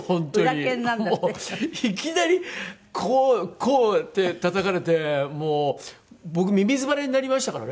いきなりこうこうやってたたかれてもう僕ミミズ腫れになりましたからね